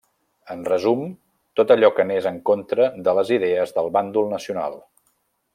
Em resum, tot allò que anés en contra de les idees del bàndol nacional.